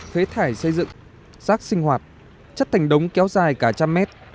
phế thải xây dựng rác sinh hoạt chất thành đống kéo dài cả trăm mét